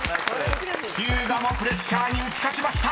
［ひゅうがもプレッシャーに打ち勝ちました］